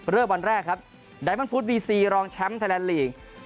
เริ่มวันแรกครับไดมอนฟู้ดวีซีรองแชมป์ไทยแลนด์ลีก